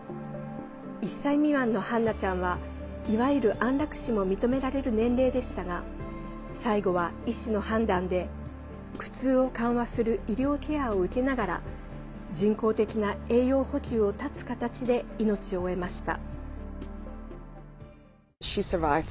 １歳未満のハンナちゃんはいわゆる安楽死も認められる年齢でしたが最後は医師の判断で苦痛を緩和する医療ケアを受けながら人工的な栄養補給を断つ形で命を終えました。